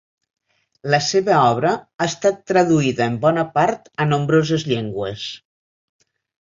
La seva obra ha estat traduïda en bona part a nombroses llengües.